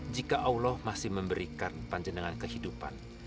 jika allah masih memberikan panjenengan kehidupan